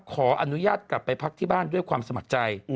ขออนุญาตกลับไปพักที่บ้านด้วยความสมัครใจ